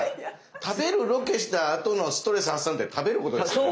食べるロケしたあとのストレス発散って食べることですからね。